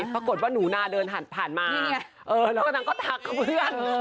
ปรากฏว่าหนูนาเดินผ่านมานี่ไงแล้วก็นางก็ทักกับเพื่อน